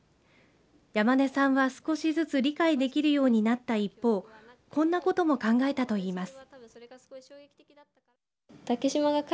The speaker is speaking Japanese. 山根さんは、少しずつ理解できるようになった一方こんなことも考えたといいます。